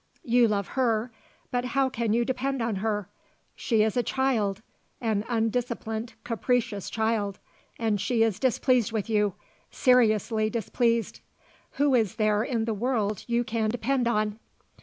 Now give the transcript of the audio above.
You love her, but how can you depend on her? She is a child, an undisciplined, capricious child, and she is displeased with you, seriously displeased. Who is there in the world you can depend on?